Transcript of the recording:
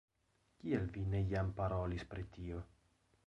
Kial vi ne jam parolis pri tio?